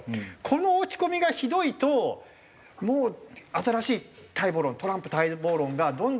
この落ち込みがひどいともう新しい待望論。